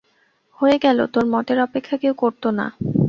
হয়ে গেলে তোর মতের অপেক্ষা কেউ করত না।